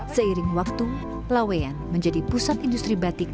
seiring waktu laweyan menjadi pusat industri batik